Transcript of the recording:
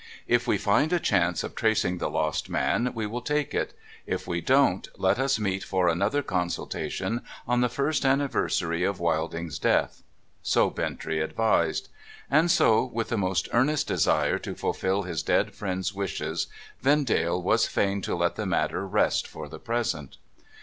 ' If we find a chance of tracing the lost man, we will take it. If we don't, let us meet for another consultation on the first anniversary of Wilding's death.' So Bintrey advised. And so, with the most earnest desire to fulfil his dead friend's wishes, Vendale was fain to let the matter rest for the present.